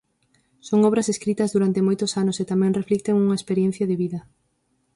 Son obras escritas durante moitos anos e tamén reflicten unha experiencia de vida.